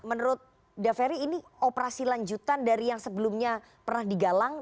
menurut daveri ini operasi lanjutan dari yang sebelumnya pernah digalang